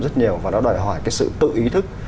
rất nhiều và nó đòi hỏi cái sự tự ý thức